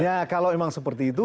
ya kalau memang seperti itu